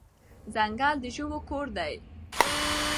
ځنګل د ژوو کور دی.